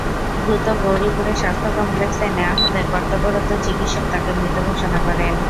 দ্রুত গৌরীপুর স্বাস্থ্য কমপ্লেক্সে নেওয়া হলে কর্তব্যরত চিকিত্সক তাকে মৃত ঘোষণা করেন।